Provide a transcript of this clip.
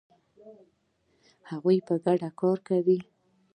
هغوی په ګډه کار کاوه.